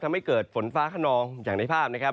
ทำให้เกิดฝนฟ้าขนองอย่างในภาพนะครับ